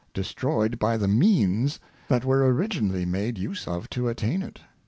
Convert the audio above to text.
destroyed by the Means that were originally made use ofto attain it.